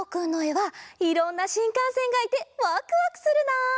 はいろんなしんかんせんがいてワクワクするな！